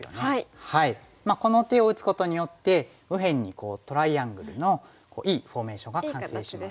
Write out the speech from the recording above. この手を打つことによって右辺にトライアングルのいいフォーメーションが完成します。